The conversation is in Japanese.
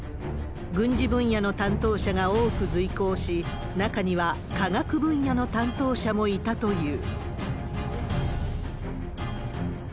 軍事分野の担当者が多く随行し、中には、科学分野の担当者もいたという。